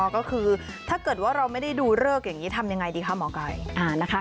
ก็คือถ้าเกิดว่าเราไม่ได้ดูเลิกอย่างนี้ทำยังไงดีคะหมอไก่